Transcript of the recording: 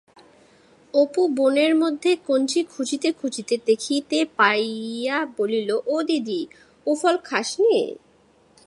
অপু বনের মধ্যে কঞ্চি খুঁজিতে খুঁজিতে দেখিতে পাইয়া বলিল, ও দিদি, ও ফল খাসনি!